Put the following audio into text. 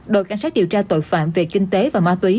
đội cảnh sát điều tra tội phạm về kinh tế và ma túy